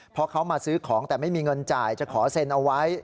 เพราะเขามาซื้อของแต่ไม่มีเงินจ่ายจะขอเซ็นเอาไว้